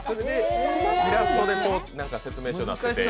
イラストで説明書になっていて。